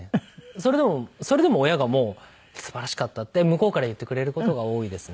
それでもそれでも親がもう素晴らしかったって向こうから言ってくれる事が多いですね。